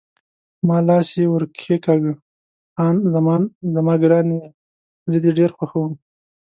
ما لاس یې ور کښېکاږه: خان زمان زما ګرانې، زه دې ډېر خوښوم.